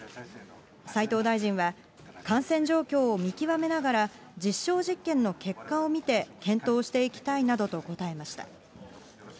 斉藤大臣は、感染状況を見極めながら、実証実験の結果を見て、検討していきたいなどと答えました。